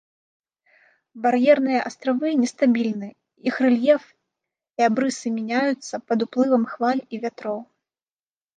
Бар'ерныя астравы не стабільны, іх рэльеф і абрысы мяняюцца пад уплывам хваль і вятроў.